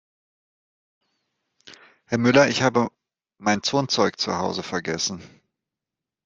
Herr Müller, ich habe mein Turnzeug zu Hause vergessen.